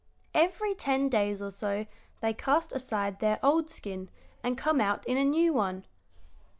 "Every ten days or so they cast aside their old skin and come out in a new one.